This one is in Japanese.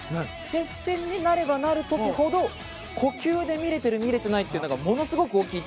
接戦になればなるほど、呼吸で見れている、見れていないがものすごく大きい。